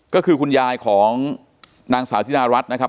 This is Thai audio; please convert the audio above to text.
ก็คือคุณยายของนางสาวธิดารัฐนะครับ